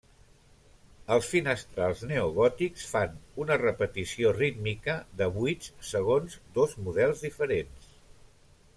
Els finestrals neogòtics fan una repetició rítmica de buits segons dos models diferents.